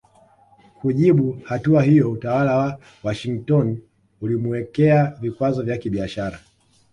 Kujibu hatua hiyo utawala wa Washington ulimuwekea vikwazo vya kibiashara